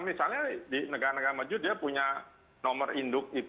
misalnya di negara negara maju dia punya nomor induk